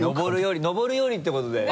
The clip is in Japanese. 上るよりってことだよね？